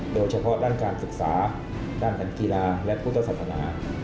โดยเฉพาะด้านการศึกษาด้านธรรมกีฬาและพุทธศัตริย์ธนา